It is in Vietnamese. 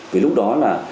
vì lúc đó là